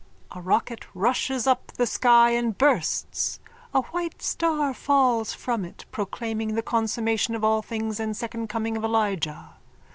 _(A rocket rushes up the sky and bursts. A white star falls from it, proclaiming the consummation of all things and second coming of Elijah.